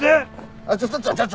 あっちょちょちょちょ。